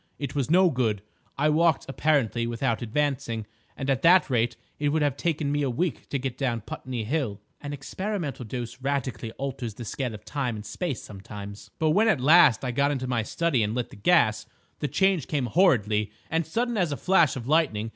It was no good. I walked apparently without advancing, and at that rate it would have taken me a week to get down Putney Hill." "An experimental dose radically alters the scale of time and space sometimes—" "But, when at last I got into my study and lit the gas, the change came horridly, and sudden as a flash of lightning.